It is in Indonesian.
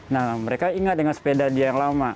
nah mereka ingat dengan sepeda dia yang lama